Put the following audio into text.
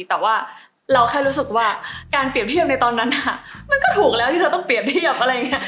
แต่ว่าเราแค่รู้สึกว่าการเปรียบเทียบในตอนนั้นมันก็ถูกแล้วที่เราต้องเปรียบเทียบอะไรอย่างนี้